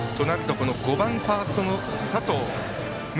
５番ファーストの佐藤夢